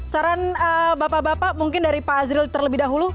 saran bapak bapak mungkin dari pak azril terlebih dahulu